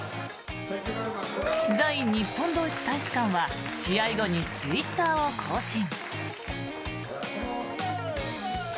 在日本ドイツ大使館は試合後にツイッターを更新。